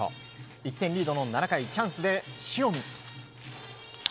１点リードの７回チャンスで塩見。